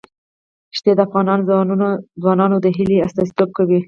ښتې د افغان ځوانانو د هیلو استازیتوب کوي.